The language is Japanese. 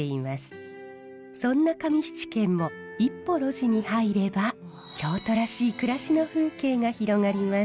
そんな上七軒も一歩路地に入れば京都らしい暮らしの風景が広がります。